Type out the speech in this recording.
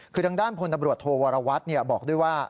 คือทั้งด้านพทโหวัฒวัทธ์บอกด้วยว่า